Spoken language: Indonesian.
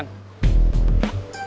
mungkin dari laporan agus